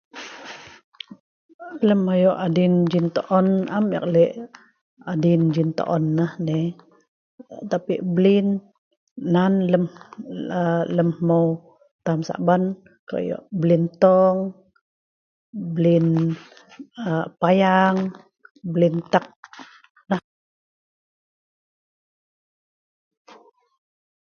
Lem ayo' adin Jinto'on am eek le' adin Jinto'on nah ne'. Tapik blin nan lem aa hmeu tam Saban ko'duet blin tong, blin payang, blin tak'.